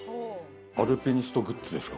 アルピニストグッズですか？